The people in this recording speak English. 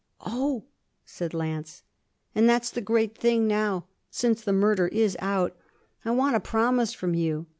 'Oh!' said Lance. 'And that's the great thing now since the murder is out. I want a promise from you.